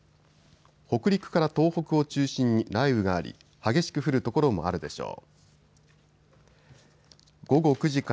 北陸から東北を中心に雷雨があり激しく降る所もあるでしょう。